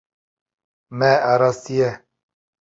Me arastiye.